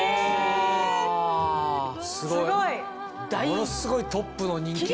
ものすごいトップの人気。